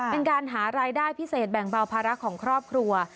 เป็นการหารายได้พิเศษแบ่งเบาภาระของครอบครัว